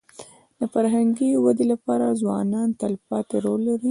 د فرهنګي ودې لپاره ځوانان تلپاتې رول لري.